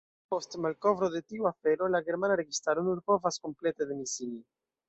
Post malkovro de tiu afero, la germana registaro nur povas komplete demisii.